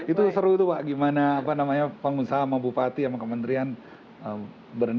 itu seru tuh pak gimana pengusaha sama bupati sama kementerian berenang